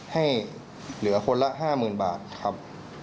ให้เหลือคนละ๕๐๐๐บาทครับ